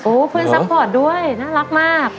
โอ้คุณซัพพอร์ตด้วยน่ารักมาก